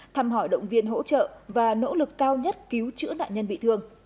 thăm hỏi động viên hỗ trợ và nỗ lực cao nhất cứu chữa nạn nhân bị thương